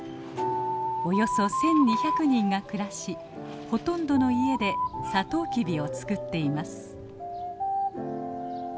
およそ１，２００人が暮らしほとんどの家でサトウキビを作っています。